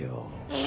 え？